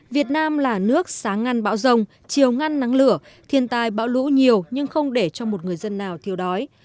việt nam là nước sáng ngăn bão rồng chiều ngăn nắng lửa thiên tai bão lũ nhiều nhưng không để cho một người dân nào thiếu đói